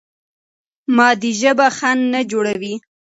مادي ژبه خنډ نه جوړوي.